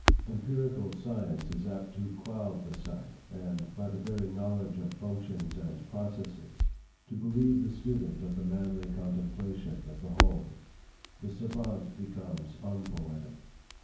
Empirical science is apt to cloud the sight, and, by the very knowledge of functions and processes, to bereave the student of the manly contemplation of the whole. The savant becomes unpoetic.